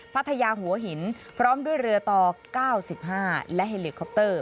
พัทยาหัวหินพร้อมด้วยเรือต่อ๙๕และเฮลิคอปเตอร์